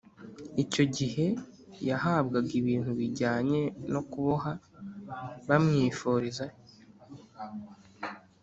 Icyo gihe yahabwaga ibintu bijyanye no kuboha bamwifuriza